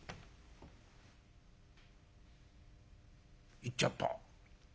「行っちゃった。